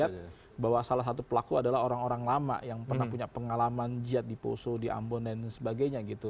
karena kita lihat tidak melihat bahwa salah satu pelaku adalah orang orang lama yang pernah punya pengalaman jihad di poso di ambon dan sebagainya